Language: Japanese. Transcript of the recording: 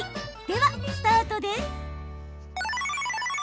では、スタートです。